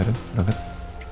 biar cepat selesai masalahnya